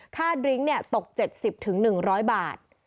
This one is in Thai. ดริ้งตก๗๐๑๐๐บาท